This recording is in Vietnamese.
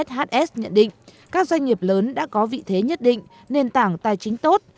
hs nhận định các doanh nghiệp lớn đã có vị thế nhất định nền tảng tài chính tốt